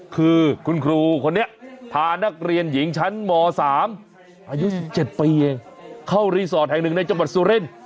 คุณครูคนนี้ทานักเรียนหญิงชั้นหมอสามอายุเจ็ดปีเองเข้ารีสอร์ทแห่งนึงในจังหวัดซุเรน